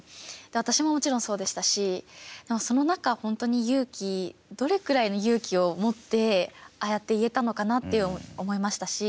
私も、もちろんそうでしたしでも、その中で本当にどれくらいの勇気を持ってああやって言えたのかなって思いましたし